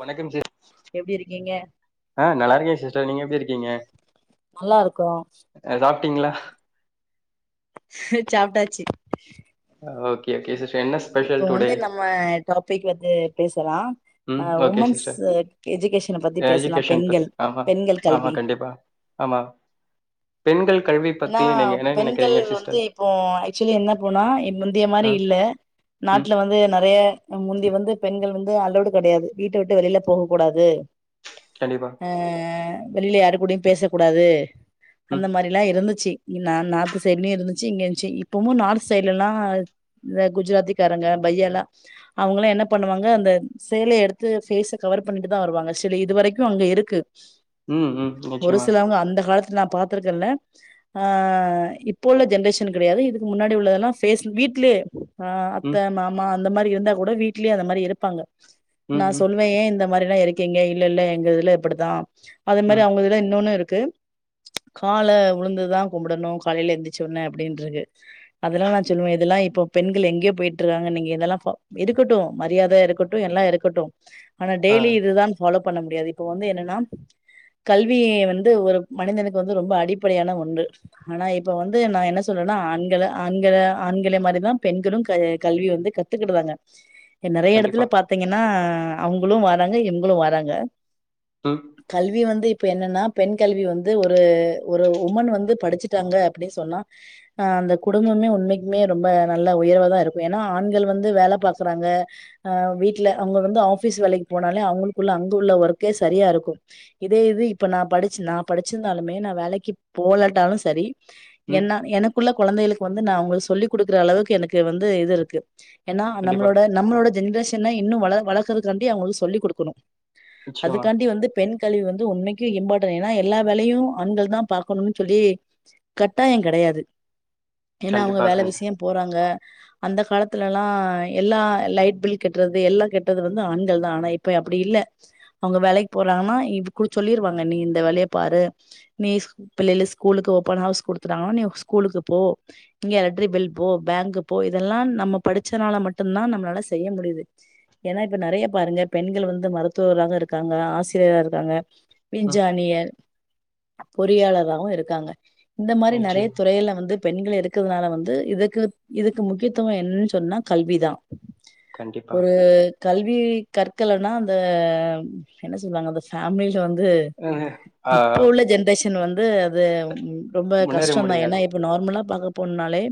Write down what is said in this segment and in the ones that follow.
வணக்கம் சி எப்டி இருக்கீங்க ஆஹ நல்லா இருக்கேன் சிஸ்டர் நீங்க எப்படி இருக்கிங்க நல்லா இருக்கோ பாத்திங்களா சாப்ட்டாச்சு ஓகே ஓகே சிஸ்டர் என்ன ஸ்பெஷல் இப்ப டுடே வந்து நம்ம டாபிக் வந்து ம் அப்புற ஓகே உமன்ஸ் சிஸ்டர் எஜிகேஷன் பத்தி பேசலாம் எஜுகேஷன் பத் பெண்கள் ஆமா பெண்கள் ஆமா கல்வி கண்டிப்பா ஆமா பெண்கள் கல்வி ஏன்னா பத்தி நீங்க என்ன பெண்கள் நெனைக்கிறீங்க வந்து சிஸ்டர் இப்ப ஆக்சுவலி எண்ண போனா முந்தய மாதிரி ஆ இல்ல ம் நாட்டுல வந்து நிறைய முந்தி வந்து பெண்கள் வந்து அளோடு கிடையாது வீட்ட விட்டு வெளிய போக கூடாது கண்டிப்பா ஹஹஹ ஹ வெளில யாரு கூடையும் பேச கூடாது ம் அந்த மாரி இருந்துச்சு நா நார்த் சைட்லயும் இருந்துச்சு இங்க இருந்துச்சு இப்போவும் நார்த் சைடு்லலாம் இந்த குஜராத்திக்காரங்க பையா லா அவங்கல்லாம் என்ன பண்ணுவாங்க அந்த சேலைைய எடுத்து பேஸ் கவர் பண்ணிட்டு தான் வருவாங்க ஆக்சுலி இதுவரைக்கும் அங்க இருக்கு ம் ம் ஒரு நிச்சயமா சிலவங்க அந்த காலத்து நா பாத்திருக்கலா ஆஹ் இப்போ உள்ள ஜென்ரேஷன் கிடையாது இதுக்கு முன்னாடி உள்ளதெல்லாம் பேஸ் வீட்டுலையே ஹ ம் அத்த மாமா இந்த மாரி இருந்தா கூட வீட்லயே அந்த மாரி இருப்பாங்க ம் நான் ம் சொல்லுவேன் ஏ இந்த யார் எல்லா இருக்கிங்க இல்ல இல்ல எங்க இதுல இப்டிதா அதே மாதிரி ம் அவங்க இல்ல இன்னொன்னு இருக்கு கால உழுந்துதான் கும்பிடணும் காலையில எந்திச்சுடன்னேன் அப்படின்ற இருக்கு அதெல்லாம் நான் சொல்லுவேன் இதெல்லாம் இப்போ பெண்கள் எங்கேயோ போயிட்டு இருக்காங்க நீங்க இதெல்லாம் இருக்கட்டும் மரியாதையா இருக்கட்டும் எல்லாம் இருக்கட்டும் ஆன ஆ டெய்லிதுதான் ஃபாலோ பண்ண முடியாது இப்ப வந்து என்னன்னா கல்வி வந்து ஒரு மனிதனுக்கு வந்து ரொம்ப அடிப்படை அப்படியான ஒன்று ஆனா இப்ப வந்து நான் என்ன சொல்றேன்னா ஆண்களை ஆண்களை ஆண்களை மாதிரிதான் பெண்களும் கல்வி வந்து கத்துக்கிடுதாங்க இங்க நிறைய கண்டிப்பா எடத்துல பார்த்தீங்கன்னா அவங்களும் வராங்க இவங்களும் வராங்க ம் கல்வி வந்து இப்ப என்னனா பெண் கல்வி வந்து ஒரு ஒரு உமன் வந்து படிச்சுட்டாங்க அப்படின்னு சொன்ன அந்த குடும்பமே உண்மைக்குமே ரொம்ப நல்ல உயர்வை தான் இருக்கும் ஏன்னா ஆண்கள் வந்து வேலை பாரக்குறாங்க ஆஹ் வீட்டுல அவங்க வந்து ஆபீஸ் வேலைக்கு போனாலே அவங்களுக்குள்ள அங்க உள்ள ஒர்க்கே சரியா இருக்கும் இதே இது இப்ப நான் படிச்ச நான் படிச்சிருந்தாலுமே நான் வேலைக்கு கிப்போலட்டாலும் சரி ம் என்னல எனக் இப்ப உள்ள குழந்தைகளுக்கு வந்து நான் அவங்களுக்கு சொல்லி் கொடுக்குற அளவுக்கு எனக்கு வந்து இது இருக்கு ஏனா கண்டிப்பா நம்மளோட நம்மளோட ஜென்ரேஷன் இன்னும் வளர்க்கதுக்காண்டி அவங்களுக்கு சொல்லிக் கொடுக்கணும் நிச்சயமா அதுகாண்டி வந்து பெண் கல்வி வந்து உண்மைக்கு இம்பாட்டன் என எல்லா வேலையும் ஆண்கள் தான் பாக்கணும்னு சொல்லி கட்டாயம் கிடையாது ஏனா அவங்க கண்டிப்பா வேலை கண் விஷயம் போறாங்க அந்த காலத்துலல எல்லாம் லைட் பில் கெட்டுறது எல்லாம் கெட்டுறதும் வந்து ஆண்கள் தான் ஆனா இப்ப அப்படி இல்ல அவங்க வேலைக்கு போறாங்கன்னா இப்போ சொல்லிருவாங்க நீ இந்த வேலைய பாரு நீ பிள்ளையாளு ஸ்கூலுக்கு ஓப்பன் ஹவுஸ் குடுத்துட்டாங்கன்னா நீ ஸ்கூலுக்கு போ இங்க எலக்ரி பெல் போ பேங்க் போ இதெல்லா நம்ம படிச்சனால மட்டும் தா நம்மளால செய்ய முடியுது ஏன்னா இப்ப நிறைய பாருங்க பெண்கள் வந்து மருத்துவராக இருக்காங்க ஆசிரியரா இருக்காங்க ம் விஞ்சானியர் பொறியாளராவும் இருக்காங்க இந்த மாரி நிறைய நிச்சயம் துறையில வந்து பெண்க இருக்கிறதுனால வந்து இதுக்கு இதுக்கு முக்கியத்துவ என்னன்னு சொன் னா கல்விதான் கண்டிப்பா ஒரு கல்வி கற்கலனா அந்த என்ன சொல்லுவாங்க அந்த ஃபேமலில வந்து வந்து அ ஆ இப்ப உள்ள ஜெண்ரேஷ இட்டுன்னு வந்து அது ரொம்ப முன்னேற கஷ்ட தா ஏன்னா முடியாது இப்போ நார்மலா பாக்க போண்னாலே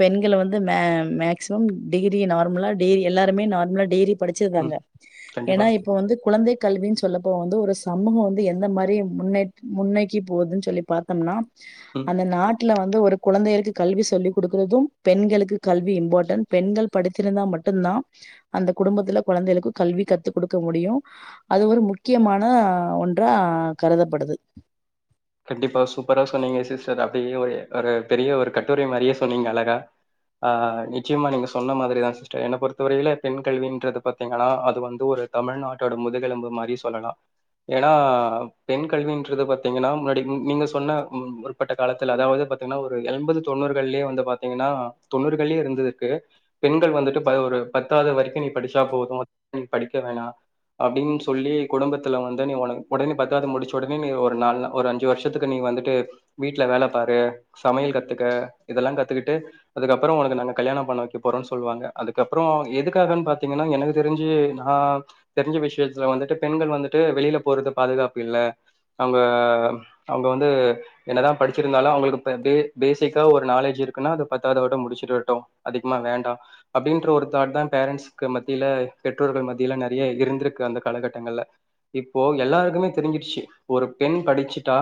பெண்கல வந்து மே மேக்சிமம் டிகிரி நார்மலா டகிரி எல்லாருமே நார்மலா டிகிரி படிச்சிர்றாங்க ம் ஏனா கண்டிப்பா இப்ப வந்து குழந்தை கல்வி சொல்லப்போ வந்து ஒரு சமூக வந்து எந்த மாரி முன்னே முன்னே இப்போகுதுன்னு சொல்லி பாத்தோம்னா ம் அந்த நாட் வீட்டுல வந்து ஒரு குழந்தைகளுக்கு கல்வி சொல்லி் கொடுக்குறதும் பெண்களுக்கு கல்வி இம்பார்டன் பெண்கள் படி திருந்தா மட்டுதா அந்த குடும்பத்துல குழந்தைகளுக்கு கல்வி கத்து கொடுக்க முடியு அது ஒரு முக்கியமான ஒன்றா கருதப்படுது கண்டிப்பா சூப்பரா சொன்னீங்க சிஸ்டர் அப்டியே ஒரு ஒரு பெரிய ஒரு கட்டுர மாரியே சொன்னீங்க அழக ஆஹ் நிச்சயமா நீங்க சொன்ன மாரிதா சிஸ்டர் என்ன பொறுத்த வரையில பெண் கல்வின்றது பாத்தீங்கலா அது வந்து ஒரு தமிழ்நாட்டோட முதுகெலும்பு மாரி சொல்லலாம் ஏனா பெண் கல்வின்றது பாத்தீங்னா நீங்க சொன்ன முற்பட்ட காலத்தில் அதாவது நீங்கா ஒரு என்பது தொண்ணூறுகள்லயே வந்து பாத்தீங்கன்னா தொண்ணூறுகள்யே இருந்து இருக்கு பெண்கள் வந்துட்டு ஒரு பத்தாவது வரைக்கும் நீ படிச்சா போதும் நீ படிக்க வேணாம் அப்படின்னு சொல்லி குடும்பத்துல வந்து நீ உன உடனே பத்தாவது முடிச்ச உடனே நீ ஒரு ந ஒரு அஞ்சு வருஷத்துக்கு நீ வந்துட்டு வீட்டுல வேல பாரு சமையல் கத்துக்க இதெல்லா கத்துக்கிட்டு அதுக்கப்பற உனக்கு நாங்க கல்யாண பண்ண வைக்க போறோன் சொல்லுவாங்க அதுக்கப்புற எதுக்காகன் பாத்தீங்கனா எனக்கு தெரிஞ்சு நா தெரிஞ்ச விஷயத்துல வந்துட்டு பெண்கள் வந்துட்டு வெளியில போறது பாதுகாப்பு இல்ல அவங்க அவங்க வந்து என்னதா படிச்சிருந்தாளோ அவங்களுக்கு பே பேசிக்கா ஒரு நாலேஜ் இருக்குனா அது பத்தாவது ஆவட்ட முடிச்சுட்டுவரட்டோ அதிகமா வேண்டா அப்டின்ற ஒரு தாட் தா பேரண்ட்ஸ்க்கு மத்தியில பெற்றோர்கள் மத்தியில நெறைய இருந்திருக்கு அந்த காலகட்டங்கள்ள இப்போ எல்லாருக்குமே தெரிஞ்சிறுச்சு ஒரு பெண் படிச்சு டா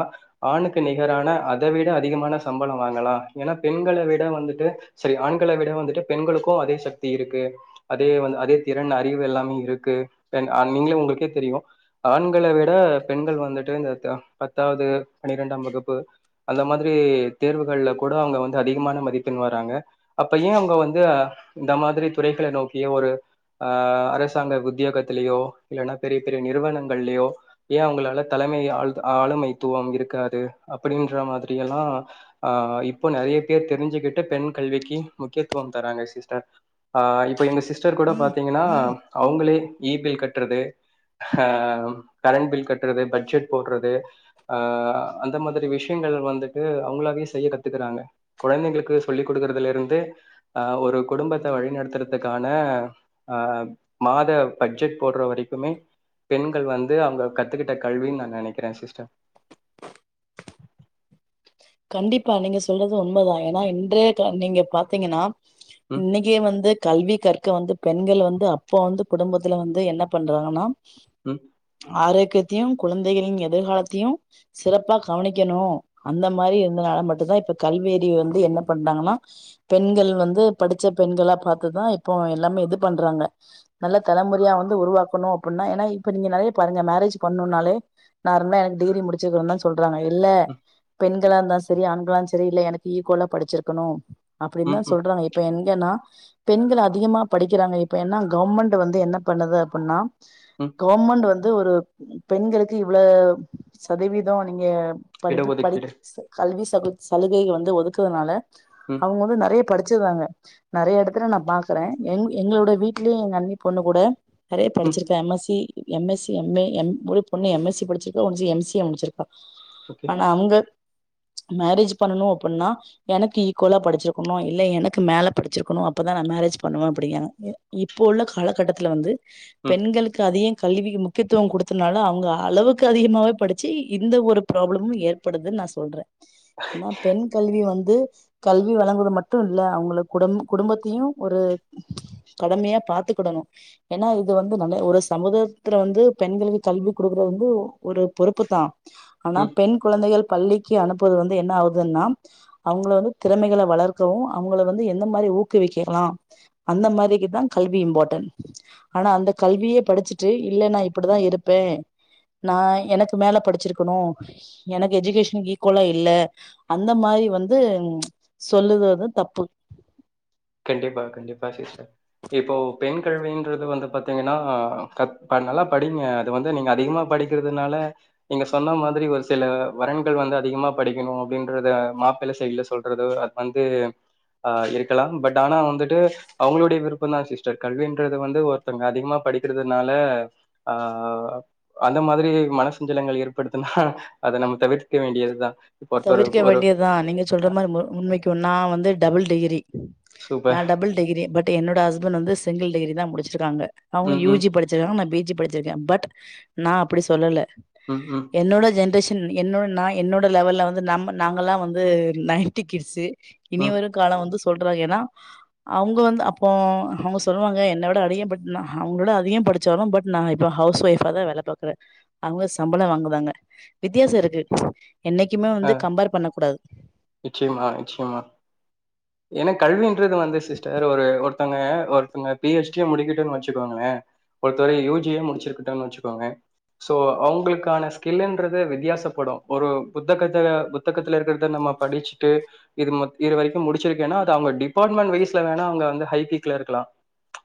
ஆணுக்கு நிகரான அத விட அதிகமான சம்பள வாங்கலாம் ஏனா பெண்கள விட வந்துட்டு சாரி ஆண்கள விட வந்துட்டு பெண்களுக்கோ அதே சக்தி இருக்கு அதே வந்து அதே திறன் அறிவு எல்லாமே இருக்கு தென் நீங்களு உங்களுக்கே தெரியும் ஆண்கள விட பெண்கள் வந்துட்டு இந்த தே பத்தாவது பன்னிரெண்டாம் வகுப்பு அந்த மாதிரி தேர்வுகள்ல கூட அவங்க வந்து அதிகமான மதிப்பெண் வராங்க அப்ப ஏ அவங்க வந்து இந்த மாதிரி துறைகள நோக்கியோ ஒரு ஆஹ அரசாங்க உத்தியோகத்திலேயோ இல்லன்னா பெரிய பெரிய நிறுவனங்கள்லயோ ஏ அவங்களால தலைமை ஆ ஆளுமைத்துவம் இருக்காது அப்படின்ற மாதிரி எல்லா ஆஹ் இப்போ நிறைய பேர் தெரிஞ்சுக்கிட்டு பெண் கல்விக்கு முக்கியத்துவம் தராங்க சிஸ்டர் ஆஹ் இப்ப எங்க சிஸ் சிஸ்டர் கூட பாத்தீங்கனா அவங்களே இபில் கட்டுறது ஹ கரண்ட் பில் கட்டுறது பட்ஜெட் போட்றது து ஹ அந்த மாதிரி விஷயங்கள் வந்துட்டு அவங்களாவே செய்ய கத்துக்கறாங்க குழந்தைங்களுக்கு சொல்லிக் கொடுக்குறதுலருந்து அஹ் ஒரு குடும்பத்த வழிநடத்துறதுக்கான அஹ் மாத பட்ஜெட் போடுற வரைக்குமே பெண்கள் வந்து அவங்க கத்துக்கிட்ட கல்வினு நா நெனைக்கி ஏ சிஸ்டர் கண்டிப்பா நீங்க சொல்றது உண்மதான் ஏன்னா இன்றைய கா நீங்க பாத்தீங்கன்னா ம், இன்னைக்கு வந்து கல்வி கற் கு வந்து பெண்கள் வந்து அப்போ வந்து குடும்பத்துல வந்து என்ன பண்றாங்கன்னா ம், ஆறு குத்தியும் குழந்தைகளின் எதிர்காலத்தியும் சிறப்பா கவனிக்கணு அந்த மாரி இருந்தனால மட்டோ தா இப்ப கல்வியரிவு வந்து என்ன பண்றாங்கன்னா பெண்கள் வந்து படிச்ச பெண்களா பார்த்துதா இப்போ எல்லாமே இது பண்றாங்க நல்ல தலமோறையா வந்து உருவாக்கணு அப்புன்னா என்ன இப்ப நீங்க நெறைய பாருங்க மேரேஜ் பண்ணுன்னாலே நார்மலா டிகிரி முடிச்சுயிருக்கநோன்னுதா சொல்றாங்க இல்ல ம், பெண்களாஇருந்தாலும் சரி ஆண்கலாம் சரி இல்ல எனக்கு ஈக்கோல படிச்சிருக்கனோ அப்படின் ம், தான் ம், சொல்றாங்க இப்ப என் ஏன்னா பெண்கள் அதிகமா படிக்கிறாங்க இப்ப என்ன கவர்மெண்ட் வந்து என்ன பண்ணுது அப்புன்னா ம். கவர்மெண்ட் வந்து து ஒரு பெண்களுக்கு இவ்ளோ சதவீத நீங்க இட படிப்பு படி ஒதுக்கீடு கல்வி சல சலுகை வந்து ஒதுக்குறதுனால ம், அவங்க வந்து நெறைய படிச்சதாங்க நெறைய இடத்துல நான பாக்குறேன் எங்களோட வீடலயும் எங்க அண்ணி பொண்ணு கூட அரே ம். படிச்சிருக்கேன் M S C M S C M A ம் மு பொண்ணு எம் சி ஏ முடிச்சிருக்கா சிச்சிருக்கா ஓகே. ஆனா அங்க மேரேஜ் பண்ணணும் அப்டின்னா எனக்கு ஈக்குவலா படிச்சிருக்கணும் இல்ல எனக்கு மேல படிச்சிருக்கணும் அப்தான் நான் மேரேஜ் பண்ணுவேன் அப்டிங்க இப்ப உள்ள காலகட்டத்துல வந்து ம், பெண்களுக்கு அதிகம் கல்விக்கு முக்கியத்துவம் கொடுத்ததுனால அவங்க அளவுக்கு அதிகமே படிச்சு இந்த ஒரு ப்ராப்ளமும் ஏற்படுதுன்னு சொல்றன் என்னா பெண் கல்வி வந்து கல்வி வழங்குவது மட்டும் இல்ல அவங்கள குடும் குடும்பத்தையும் ஒரு கடமையா பாத்துக்கடணும் ஏன்னா இது வந்து நைய ஒரு சமுதாயத்துல வந்து பெண்களுக்கு கல்வி கொடுக்கற வந்து ஒரு பொறுப்பு தான் ஆனா ம். பெண் கெழந்தைகள் பள்ளிக்கு அனுப்புது வந்து என்ன ஆகுதுன்னா அவங்கள வந்து திறமைகளை வளர்க்கவும் அவங்கள வந்து எந்த மாரி ஊக்குவிக்கலாம் அந்த மாரிக்குதான் கல்வி இம்பாரன் ஆனா அந்த கல்வியே படிச்சுட்டு இல்ல நான் இப்டிதான் இருப்பேன் நான எனக்கு மேல படிச்சிருக்கணும் எனக்கு எஜகேஷன் குல இல்ல அந்த மாரி வந்து சொல்லுது வந்து தப்பு கண்டிப்பா கண்டிப்பா சிஸ்டர் இப்போ பெண் கல்வின்றது வந்து பாத்தீங்கன்னா நல்லா படிங்க அது வந்து நீங்க அதிகமா படிக்கிறதுனால நீங்க சொன்ன மாரி ஒரு சில வரன்கள் வந்து அதிகமா படிக்கணும் அப்டின்றத மாப்பிளைை சைடல சொல்றதோ அது வந்து ஆ இருக்கலாம் பட் ஆனா வந்துட்டு அவங்களுடைய விருப்பம் தான் சிஸ்டர் கல்வன்றது வந்து ஒருத்தவங்க அதிகமா படிக்கிறதுனால ஆ அந்த மாரி மன சஞ்சலங்கள் ஏற்படுத்தனா அதை நம்ம தவிர்க்க வேண்டியதுதான் தவிர்க்க வேண்டியதுதான் நீங்க சொல்ற மாரி முன்மைக்குனா வந்து டபுள் டிகிரி சூப்பர். நான் டபுள் டிகிரி பட் என்னோட ஹஸ்பண்ட் வந்து சங்கிள் டிகிரி தான் முடிச்சிருக்காங்க அவங்க ம், யூ ம், ஜி படிச்சிருக்காங்கா பி ஜி படிச்சிருக்கேன் பட் நான அப்டி சொல்லல ம், ம், என்னோட ஜெனரேஷன் என்னோட நா என்னோட லெவல்ல வந்து நம்ம நாமெல்லா வந்து நையிட்டி கிட்ஸ்சு இனி ம். வரும் காலோ வந்து சொல்றோ ஏன்னா அவங்க வந்து அப்ப அவங்க சொல்லுவாங்க என்னோட அதிகம் படிச்சாலும் அவங்களோட அதிகம் படிச்சாலும் பட் நா இப்ப ஹவுஸ் ஒயிப் தான் வேலை பாக்குறேன் அவங்க சம்பளம் வாங்காங்க வித்தியாசம் இருக்கு என்னைக் எப்பயுமே ஆ வந்து கம்பேர் பண்ணக்க கூடாது ஏனா கல்வி அடுத்தது வந்து சிஸ்டர் ஒரு ங்க ஒருத்தங்க பிஎச்டி முடிக்க வச்சுக்கோங்களே ஒருத்த யுஜிய முடிச்சிருக்கு வச்சுக்கோங்க சோ அவங்களுக்கான ஸில்ன்றது வித்தியாசப்படும் ஒரு புத்தக புத்தகத்துல இருக்கறத நம்ம படிச்சுட்டு இது இது வரைக்கும் முடி வச்சிருக்கேனா அது அவங்க டிப்பாட்மெட் வைஸ்ல வேனா அவங்க வந்து ஹைபிக்குள இருக்கலாம்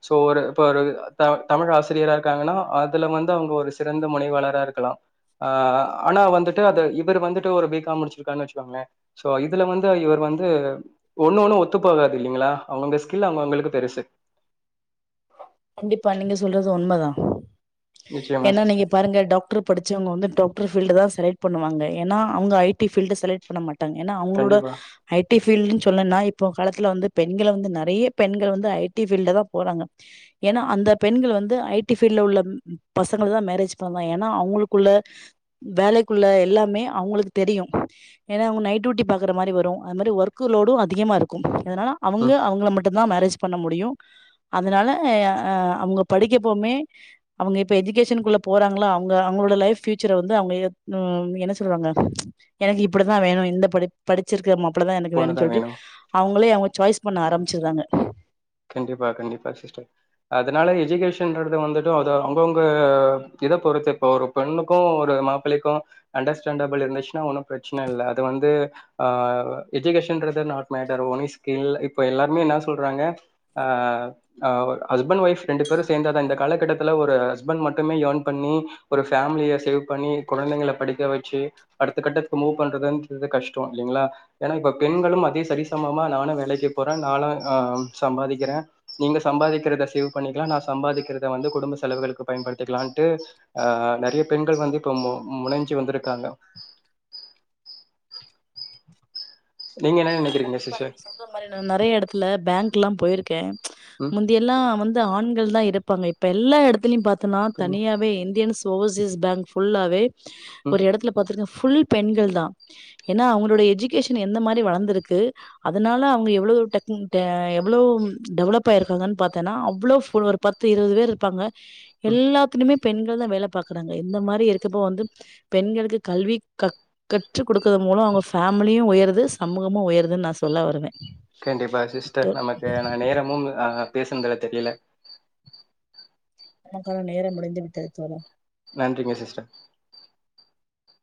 சோ ஒரு இ தமிழ் ஆசிரியரா இருக்காங்கன்னா அதுல வந்து அவங்க ஒரு சிறந்த முனைவாளரா இருக்கலாம்ஹ் ஆனா வந்துட்டு அத இவர் வந்து ஒருபீக்காம் முடிச்சிருக்கருனு வச்சிகோங்களே இதுல வந்து இவர் வந்து ஒண்ணு ஒண்ணும் ஒத்து போகாது இல்லிங்களா அவங்கவுங்க ஸ்கில் அவங்க அவங்களுக்கு பெருசு கண்டிப்பா நீங்க சொல்றது உண்மதா நிச்சயமா ஏன்னா நீங்க சிஸ்டர் பாருங்க டாக்டர் படிச்சவங்க வந்து டாக்டர் பீல்டு தான் செலக்ட் பண்ணுவாங்க ஏன்னா அவங்க ஐ டி பீல்டு செலக்ட் பண்ண மாட் ஏன்னா அவங்களோட கண்டிப்பா ஐடி பீல்டுன்னு சொல்லல்லா இப்போ காலத்துல வந்து பெண்களை வந்து நெறைய பெண்கள் வந்து ஐடி ஃபீல்டு தான் போறாங்க ஏன்னா அந்த பெண்கள் வந்து ஐடி ஃபீல்டுல உள்ள பசங்க தான் மேரேஜ் பண்ணாதான் ஏன்னா அவங்களுக்குள்ள வேலைக்குள்ள எல்லாமே அவங்களுக்கு தெரியும் ஏன்னா அவங்க நைட் டியூட்டி பாக்குற மாரி வரும் அது மாரி ஒர்க்கு லோடும் அதிகமா இருக்கு அதனா அவங்க ம் அவங்கள மட் ட்டு தா மேரேஜ் பண்ண முடியும் அதனால ஹே ஹ அவங்க படிக்கப்போமே அவங்க இப்ப எஜிகேஷன்க்குள்ள போறாங்கள அவங்க அவங்களோட லைப் பியுச்சர் வந்து அவங்க என்ன சொறாங்க எனக்கு இப்படித்தான் வேணும் இந்த படிச்சிருக்க அப்டி தான் எனக்கு வேணு சொல்லி அவுங் அப்பலே அவங்க சாய்ஸ் பண்ண ஆரம்பிச்சிறாங்க கண்டிப்பா கண்டிப்பா சிஸ்டர் அதனால எஜிகேஷன்றது வந்துட்டும் து அவங்கவுங்க இத பொறுத்து இப்ப ஒரு பெண்ணுக்கும் ஒரு மாப்பிள்ளைக்கும் அண்டர்ஸ்டாண்டபிள் இருந்துச்சுன்னா ஒன்னும் பிரச்சனை இல்லை அது வந்து ஆஹ் எஜிகேஷன்றது நாட் மேட்டர் ஓன்லி ஸ்கில் இப்ப எல்லாருமே என்ன சொல்றாங்க ஆஹ்ஹ் ஹஸ்பண்ட் ஒய்ஃப் ரெண்டு பேரும் சேந்தா தான் இந்த காலகட்டத்துல ஒரு ஹஸ்பண்ட் மட்டுமே இயர்ன் பண்ணி ஒரு ஃபேமிலியை சேவ் பண்ணி கெழந்தைங்க படிக்க வச்சு அடுத்த கட்டத்துக்கு மூவ் பண்றதுன்றது கஷ்டோ இல்லைங்களா ஏன்னா ஆ இப்ப பெண்களும் அதே சரிசமமா நானும் வேலைக்கு போறேன் நானும் ஆஹ் சம்பாதிக்கிறேன் நீங்க சம்பாதிக்கிறத சேவ் பண்ணிக்கலாம் நான் சம்பாதிக்கிறத வந்து குடும்ப செலவுகளுக்கு பயன்படுத்திக்கலாம்ன்டு ஆஹ் நெறைய பெண்கள் வந்து இப்ப முனைஞ்சு வந்திருக்காங்க நீங்க என்ன நெனைக்கிறீங்க இப்ப சிஸ்டர் நீங்க சொல்ற மாரி நான் நெறைய இடத்துல பேங்க்லா போயிருக்கே ம் முந்தியெல்லாம் வந்து ஆண் தான் இருப்பாங்க இப்ப எல்லா இடத்திலையும் பாத்து நா சொல்லுங்க. தனியாவே இந்தியன்ஸ் ஓவர்சீஸ் பேங்க் ஃபுல்லாவே ஒரு ம் எடத்துல பாத்துருக்க ஃபுல் பெண்கள் தான் ஏன்னா அங்களோடைய எஜிகேஷன் எந்த மாரி வளர்ந்துருக்கு அதுனால அவங்க எவ்வளோ டெக்டே எவ்ளோ டெவலப் ஆயிருக்காங்கன்னு பாத்தன்னா அவ்வளோ ஃபு ஒரு பத்து இருவது பேர் இருப்பாங்க ம் எல்லாத்திலுமே பெண்கள் தான் வேலை பார்க்கறாங்க இந்த மாதிரி இருக்கப்போ வந்து பெண்களுக்கு கல்வி கக் கற் கற்று கொடுக்கிறது மூலம் அவங்க ஃப்மிலியும் உயருது சமூகமும் உயருதுன்னு நான் சொல்லுவே சொல்ல வருவே கண்டிப்பா சிஸ்டர் நமக்கு நா நேரமும் அஹ் அஹ் பேசுனதுல தெரியில நமக்கான நேரம் முடிந்து விட்டது தோழா நன்றிங்க சிஸ்டர்